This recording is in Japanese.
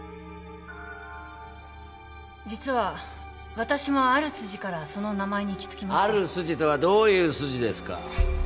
実は私もある筋からその名前に行き着きましてある筋とはどういう筋ですか？